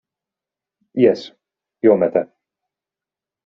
Jes, iomete.